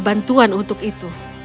bantuan untuk itu